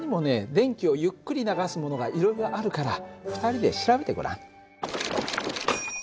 電気をゆっくり流すものがいろいろあるから２人で調べてごらん。